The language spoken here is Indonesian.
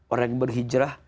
orang yang berhijrah